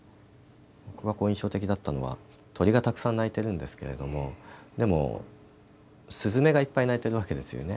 僕が印象的だったのは鳥がたくさん鳴いているんですけれどもでも、すずめがいっぱい鳴いているわけですよね。